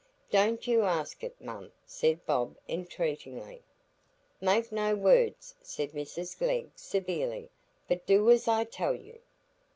"Don't you ask it, mum," said Bob, entreatingly. "Make no more words," said Mrs Glegg, severely, "but do as I tell you."